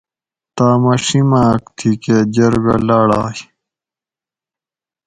تامہ ڛیماۤک تھی کہ جرگہ لاڑائے